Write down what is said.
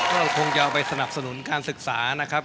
เราคงจะเอาไปสนับสนุนการศึกษานะครับ